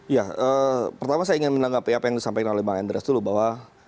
ya pertama saya ingin menanggapi apa yang disampaikan oleh bang andreas dulu bahwa